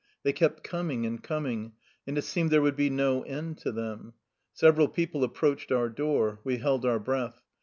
They kept coming and coming, and it seemed there would be no end to them. Several people approached our door. We held our breath.